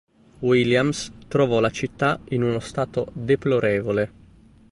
Williams trovò la città in uno stato deplorevole.